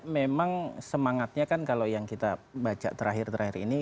memang semangatnya kan kalau yang kita baca terakhir terakhir ini